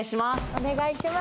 お願いします。